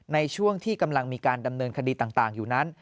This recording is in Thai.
ในช่วงที่กำลังมีการดำเนินคดีต่างอยู่นั้น